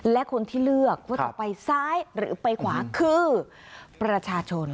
และคนที่เลือกว่าจะไปซ้ายหรือไปขวาคือประชาชน